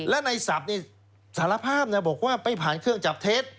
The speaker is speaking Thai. แล้วในสับนี้สารภาพบอกว่าไปผ่านเครื่องจับเท็จ